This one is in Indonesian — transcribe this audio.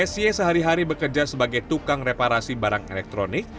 sy sehari hari bekerja sebagai tukang reparasi barang elektronik